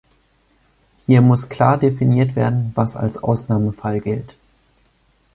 Hier muss klar definiert werden, was als Ausnahmefall gilt.